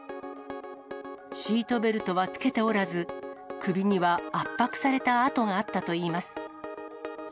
シートベルトはつけておらず、首には圧迫された痕があったといいます。